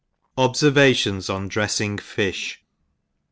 Obfervations on Dressing Fish.